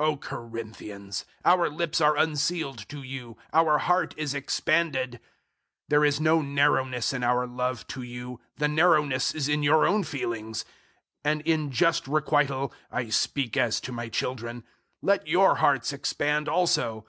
006:011 O Corinthians, our lips are unsealed to you: our heart is expanded. 006:012 There is no narrowness in our love to you: the narrowness is in your own feelings. 006:013 And in just requital I speak as to my children let your hearts expand also.